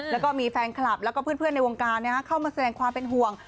แล้วก็มีแฟนคลับแล้วก็เพื่อนในวงการเข้ามาแสดงความเป็นห่วง